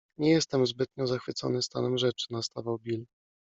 - Nie jestem zbytnio zachwycony stanem rzeczy - nastawał Bill.